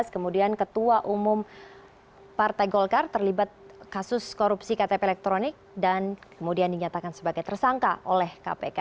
kemudian ketua umum partai golkar terlibat kasus korupsi ktp elektronik dan kemudian dinyatakan sebagai tersangka oleh kpk